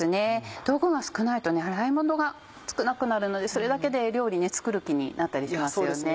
道具が少ないと洗い物が少なくなるのでそれだけで料理作る気になったりしますよね。